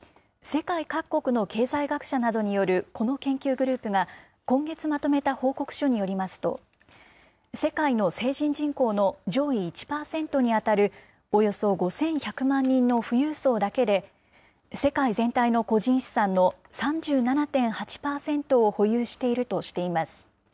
世界各国の経済学者などによるこの研究グループが、今月まとめた報告書によりますと、世界の成人人口の上位１％に当たるおよそ５１００万人の富裕層だけで、世界全体の個人資産の３７．８％を保有しているとしています。